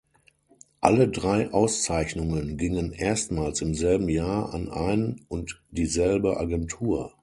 Alle drei Auszeichnungen gingen erstmals im selben Jahr an ein und dieselbe Agentur.